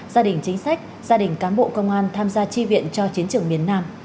gia đình chính sách gia đình cán bộ công an tham gia chi viện cho chiến trường miền nam